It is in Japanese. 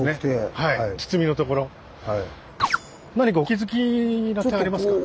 何かお気付きな点ありますか？